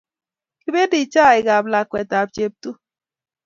Kipendi chaik ap lakwet ap Cheptum